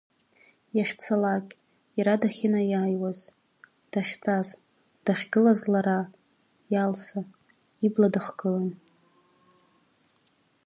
Иахьцалак, иара дахьынаиааиуаз, дахьтәаз, дахьгылаз лара, Иалса, ибла дыхгылан.